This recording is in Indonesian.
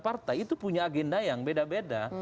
partai itu punya agenda yang beda beda